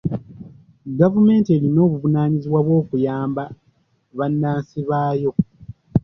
Gavumenti erina obuvunaanyizibwa obw'okuyamba bannansi baayo.